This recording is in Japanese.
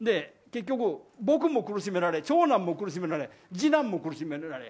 結局、僕も苦しめられ、長男も苦しめられ、次男も苦しめられ。